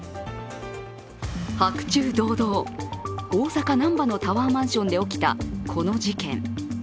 白昼堂々、大阪・難波のタワーマンションで起きたこの事件。